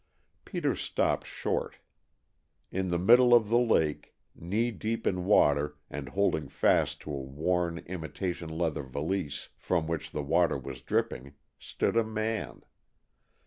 Peter stopped short. In the middle of the lake, knee deep in water and holding fast to a worn imitation leather valise from which the water was dripping, stood a man.